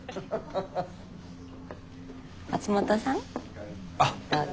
松本さんどうぞ。